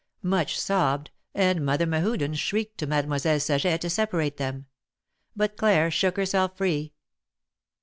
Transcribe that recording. Much sobbed, and Mother Mehuden shrieked to Made moiselle Saget to separate them ; but Claire shook herself free.